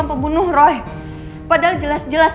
pembunuh roy padahal jelas jelas